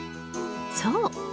そう！